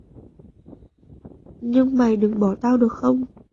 Nhưng mày đừng bỏ tao được không